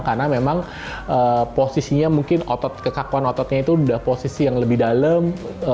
karena memang posisinya mungkin otot kekakuan ototnya itu udah posisi yang lebih dalam